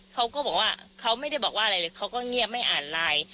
เขาก็บอกว่าเขาไม่ได้บอกว่าอะไรเลยเขาก็เงียบไม่อ่านไลน์